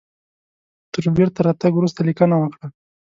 تر بیرته راتګ وروسته لیکنه وکړه.